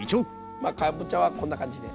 かぼちゃはこんな感じで。